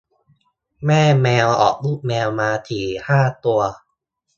แม่แมวออกลูกแมวมาสี่ห้าตัว